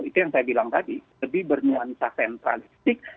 itu yang saya bilang tadi lebih bernuanisa sentralistik